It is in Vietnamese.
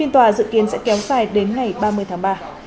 phiên tòa dự kiến sẽ kéo dài đến ngày ba mươi tháng ba